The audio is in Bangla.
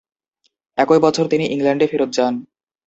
একই বছর তিনি ইংল্যান্ডে ফেরত যান।